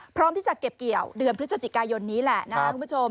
พร้อมที่จะเก็บเกี่ยวเดือนพฤศจิกายนนี้แหละนะครับคุณผู้ชม